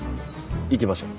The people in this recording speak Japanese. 行きましょう。